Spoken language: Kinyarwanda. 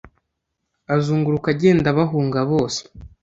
Azunguruka agenda abahunga bose